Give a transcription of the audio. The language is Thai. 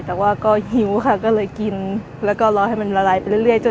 แต่ยิ้วค่ะก็เลยกินแล้วก็รอให้ละลายไปเรื่อย